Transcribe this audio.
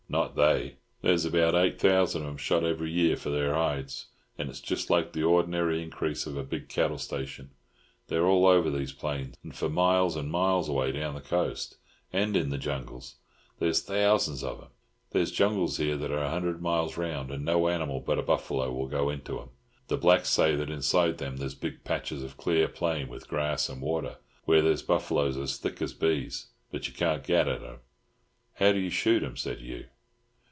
"Not they. There's about eight thousand of 'em shot every year for their hides, and it's just like the ordinary increase of a big cattle station. They're all over these plains, and for miles and miles away down the coast, and in the jungles there's thousands of 'em. There's jungles here that are a hundred miles round, and no animal but a buffalo will go into 'em. The blacks say that inside them there's big patches of clear plain, with grass and water, where there's buffaloes as thick as bees; but you can't get at 'em." "How do you shoot 'em?" said Hugh.